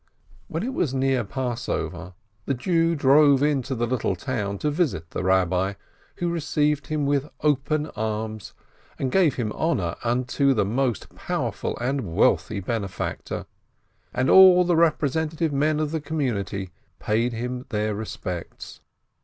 When it was near Passover, the Jew drove into the little town to visit the Eabbi, who received him with open arms, and gave him honor as unto the most power ful and wealthy benefactor. And all the representative men of the community paid him their respects.